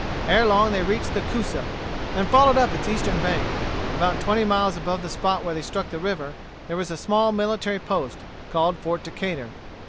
Ere long they reached the Coosa, and followed up its eastern bank. About twenty miles above the spot where they struck the river there was a small military post, called Fort Decatur.